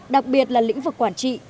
đặc biệt là lĩnh vực quản trị